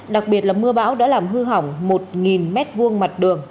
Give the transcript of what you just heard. đặc biệt là mưa bão đã làm hư hỏng một m hai mặt đường